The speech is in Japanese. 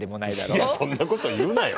いやそんなこと言うなよ。